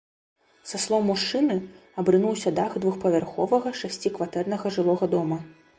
Са слоў мужчыны, абрынуўся дах двухпавярховага шасцікватэрнага жылога дома.